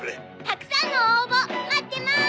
「たくさんの応募待ってまーす！」